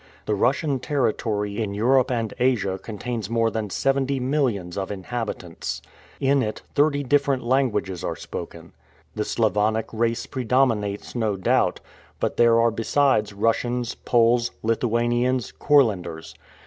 The Russian territory in Europe and Asia contains more than seventy millions of inhabitants. In it thirty different languages are spoken. The Sclavonian race predominates, no doubt, but there are besides Russians, Poles, Lithuanians, Courlanders.